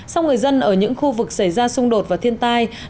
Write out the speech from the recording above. song người dân ở những khu vực xảy ra xung đột và thiên tai